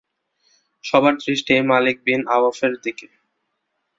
সবার দৃষ্টি মালিক বিন আওফের দিকে।